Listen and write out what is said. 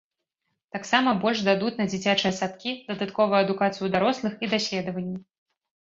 Таксама больш дадуць на дзіцячыя садкі, дадатковую адукацыю дарослых і даследаванні.